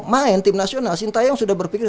main tim nasional sintayong sudah berpikir